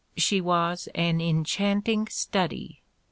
She was an enchanting study.